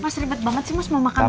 mas ribet banget sih mas mau makan